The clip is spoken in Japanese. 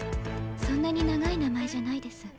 そんなに長い名前じゃないです。